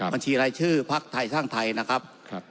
บัญชีรายชื่อพักไทยสร้างไทยนะครับ